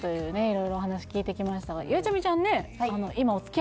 色々お話聞いてきましたがゆうちゃみちゃんね